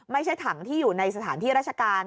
ไม่ใช่ถังที่อยู่ในสถานที่ราชการ